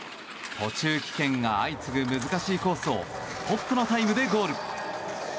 途中棄権が相次ぐ難しいコースをトップのタイムでゴール！